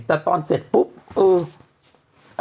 แต่ตอนเสร็จปุ๊บเออ